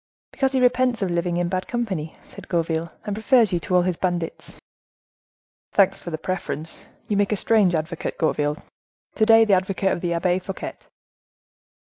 "Because he repents of living in bad company," said Gourville, "and prefers you to all his bandits." "Thanks for the preference! You make a strange advocate, Gourville, to day—the advocate of the Abbe Fouquet!"